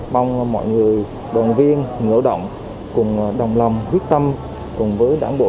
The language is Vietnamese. mong mọi người đoàn viên người lao động cùng đồng lòng quyết tâm cùng với đảng bộ